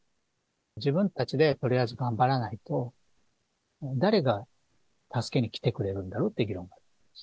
自分たちでとりあえず頑張らないと、誰が助けに来てくれるんだろうっていう議論があるんです。